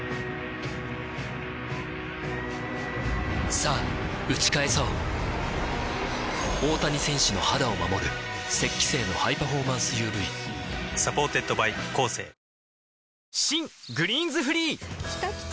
さぁ打ち返そう大谷選手の肌を守る「雪肌精」のハイパフォーマンス ＵＶサポーテッドバイコーセー新「グリーンズフリー」きたきた！